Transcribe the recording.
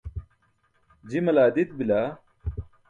Jimale adit bila.